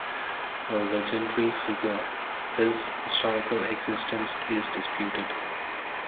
A legendary figure, his historical existence is disputed.